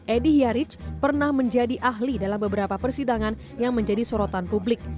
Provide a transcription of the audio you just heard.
edy hyaric pernah menjadi ahli dalam beberapa persidangan yang menjadi sorotan publik